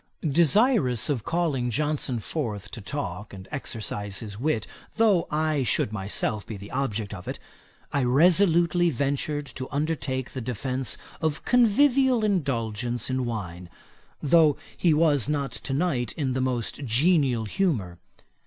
Desirous of calling Johnson forth to talk, and exercise his wit, though I should myself be the object of it, I resolutely ventured to undertake the defence of convivial indulgence in wine, though he was not to night in the most genial humour.